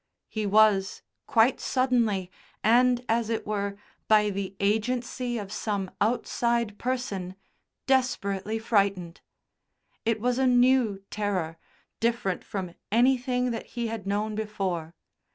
He was, quite suddenly, and as it were, by the agency of some outside person, desperately frightened. It was a new terror, different from anything that he had known before.